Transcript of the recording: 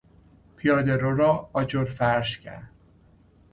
پیادهرو را آجر فرش کردن